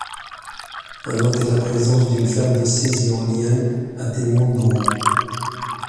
À noter la présence d'une ferme de six éoliennes, atteignant de haut.